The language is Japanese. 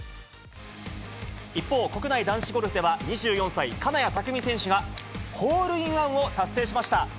一方、国内男子ゴルフでは、２４歳、金谷拓実選手がホールインワンを達成しました。